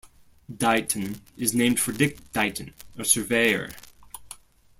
Dighton is named for Dick Dighton, a surveyor.